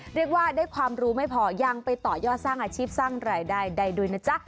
เรียกว่าได้ความรู้ไม่พอยังไปต่อยอดสร้างอาชีพสร้างรายได้ได้ด้วยนะจ๊ะ